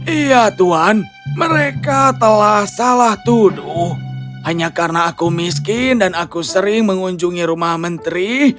iya tuhan mereka telah salah tuduh hanya karena aku miskin dan aku sering mengunjungi rumah menteri